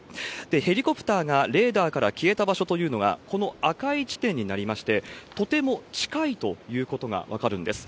ヘリコプターがレーダーから消えた場所というのが、この赤い地点になりまして、とても近いということが分かるんです。